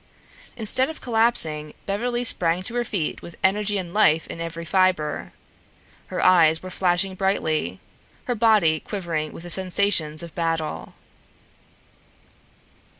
Instead of collapsing, Beverly sprang to her feet with energy and life in every fiber. Her eyes were flashing brightly, her body quivering with the sensations of battle.